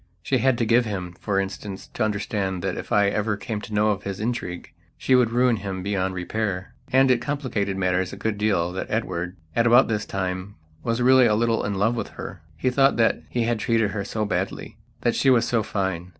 She had to give him, for instance, to understand that if I ever came to know of his intrigue she would ruin him beyond repair. And it complicated matters a good deal that Edward, at about this time, was really a little in love with her. He thought that he had treated her so badly; that she was so fine.